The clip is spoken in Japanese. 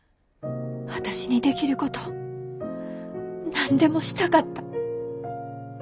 私にできること何でもしたかった。